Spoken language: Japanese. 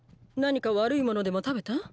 何か悪いものでも食べた？